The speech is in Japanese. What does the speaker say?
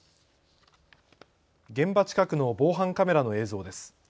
現場近くの防犯カメラの映像です。